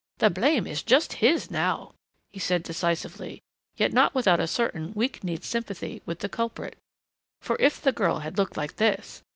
The blame is just his now," he said decisively, yet not without a certain weak kneed sympathy with the culprit. For if the girl had looked like this